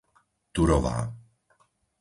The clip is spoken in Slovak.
Turová